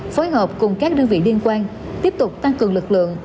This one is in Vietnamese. phối hợp cùng các đơn vị liên quan tiếp tục tăng cường lực lượng